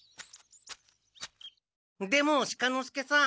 出茂鹿之介さん。